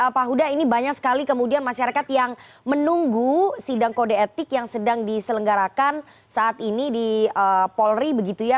pak huda ini banyak sekali kemudian masyarakat yang menunggu sidang kode etik yang sedang diselenggarakan saat ini di polri begitu ya